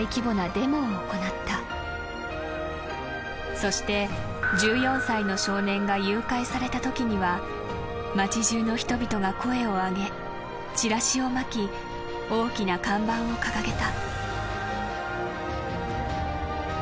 ［そして１４歳の少年が誘拐されたときには町じゅうの人々が声を上げチラシを巻き大きな看板を掲げた］